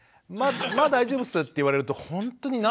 「まあ大丈夫っす」って言われるとほんとに何だろ